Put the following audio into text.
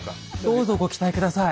どうぞご期待下さい。